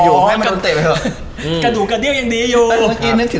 กอดูกกระเดี่ยวยังดีอยู่